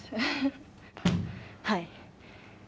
はい。